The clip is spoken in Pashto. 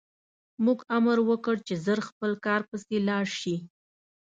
موږ امر وکړ چې ژر خپل کار پسې لاړ شي